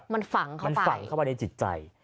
มันฝังเข้าไปในจิตใจ